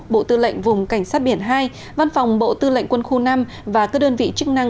bộ tư lệnh vùng cảnh sát biển hai văn phòng bộ tư lệnh quân khu năm và các đơn vị chức năng